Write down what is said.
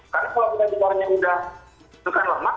karena kalau kita bicara sudah menyusutkan lemak